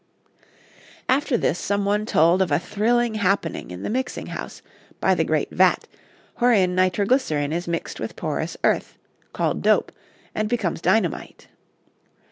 After this some one told of a thrilling happening in the mixing house, by the great vat, wherein nitroglycerin is mixed with porous earth, called dope, and becomes dynamite.